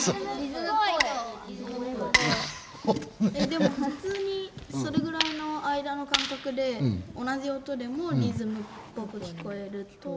でも普通にそれぐらいの間の間隔で同じ音でもリズムっぽく聞こえると思う。